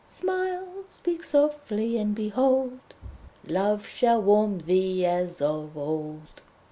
Smile, speak softly, and behold, Love shall warm thee as of old.'